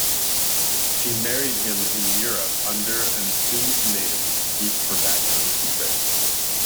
She married him in Europe under an assumed name to keep her background secret.